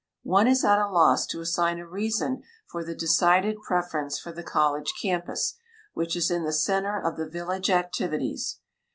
One is at a loss to assign a reason for the decided preference for the college campus, which is in the center of the village activities.